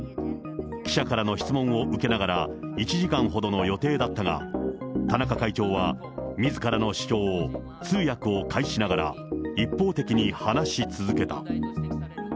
記者からの質問を受けながら、１時間ほどの予定だったが、田中会長はみずからの主張を通訳を介しながら、一方的に話し続けた。